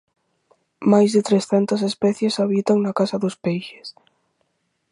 Máis de trescentas especies habitan na Casa dos Peixes.